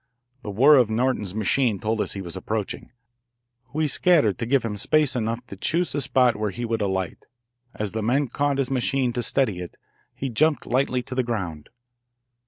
The whir of Norton's machine told us he was approaching. We scattered to give him space enough to choose the spot where he would alight. As the men caught his machine to steady it, he jumped lightly to the ground.